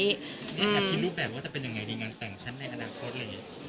นี่แอบคิดรูปแบบว่าจะเป็นยังไงดีงานแต่งชั้นในอนาคตด้วย